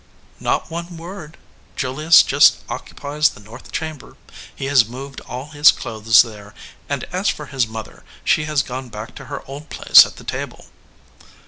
"Not one word. Julius just occupies the north chamber. He has moved all his clothes there, and as for his mother, she has gone back to her old place at the table."